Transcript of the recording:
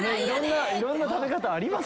いろんな食べ方あります。